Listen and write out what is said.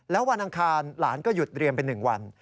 แล้ววันอังคารหลานก็หยุดเรียนไป๑วัน